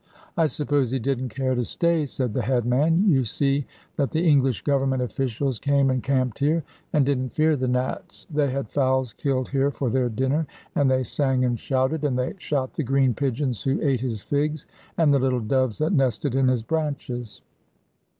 'I suppose he didn't care to stay,' said the headman. 'You see that the English Government officials came and camped here, and didn't fear the Nats. They had fowls killed here for their dinner, and they sang and shouted; and they shot the green pigeons who ate his figs, and the little doves that nested in his branches.'